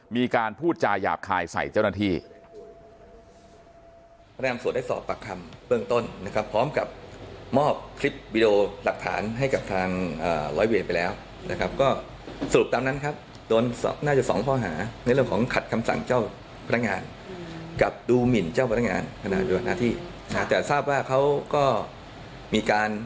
มีการพูดจาหยาบคายใส่เจ้าหน้าที่